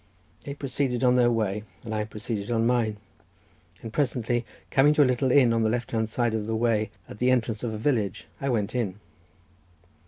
They proceeded on their way, and I proceeded on mine, and presently coming to a little inn on the left side of the way, at the entrance of a village, I went in.